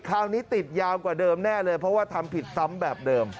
คราวนี้ติดยาวกว่าเดิมแน่เลยเพราะว่าทำผิดซ้ำแบบเดิม